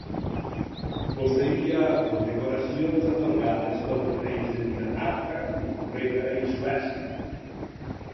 Posseïa condecoracions atorgades pels reis de Dinamarca, Noruega i Suècia.